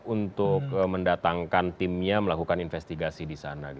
untuk mendatangkan timnya melakukan investigasi di sana